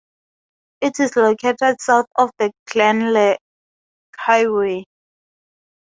It is located south of the Glenelg Highway.